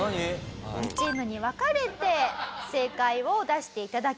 ２チームに分かれて正解を出していただきます。